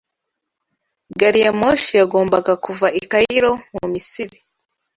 gari ya moshi yagombaga kuva i Cayiro mu Misiri